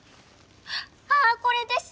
あっこれです！